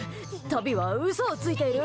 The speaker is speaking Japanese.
タビは嘘をついている。